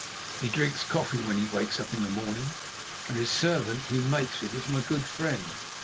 He drinks coffee when he wakes up in the morning, and his servant, who makes it, is my good friend.